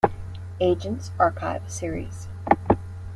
Agents Archive series.